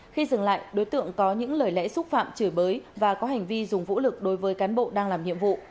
khi dừng lại đối tượng có những lời lẽ xúc phạm chửi bới và có hành vi dùng vũ lực đối với cán bộ đang làm nhiệm vụ